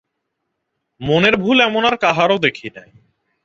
মনের ভুল এমন আর কাহারো দেখি নাই।